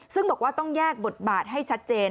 ซึ่งบอกว่าต้องแยกบทบาทให้ชัดเจน